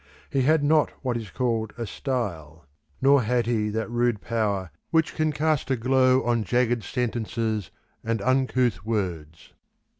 He had not what is called a style; nor had he that rude power which can cast a glow on jagged sentences and uncouth words.